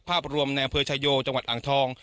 ภาพรวมในอำเภอชายโยจังหวัดอ่างทอง